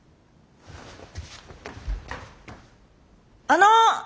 あの！